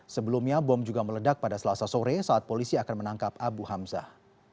sebelumnya bom juga meledak pada selasa sore saat polisi akan menangkap abu hamzah